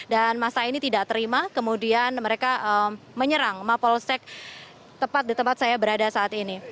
dan masa ini tidak terima kemudian mereka menyerang mapolsek tepat di tempat saya berada saat ini